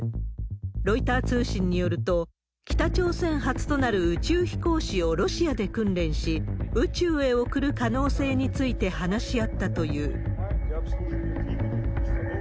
ロイター通信によると、北朝鮮初となる宇宙飛行士をロシアで訓練し、宇宙へ送る可能性について話し合ったという。